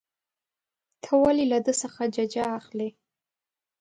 ته ولې له ده څخه ججه اخلې.